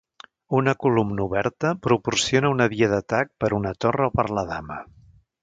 Una columna oberta proporciona una via d'atac per una torre o per la dama.